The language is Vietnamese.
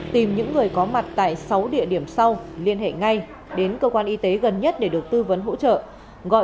tìm những người có mặt tại sáu địa điểm sau liên hệ ngay đến cơ quan y tế gần nhất để được tư vấn hỗ trợ